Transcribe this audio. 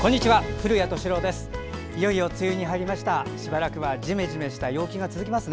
古谷敏郎です。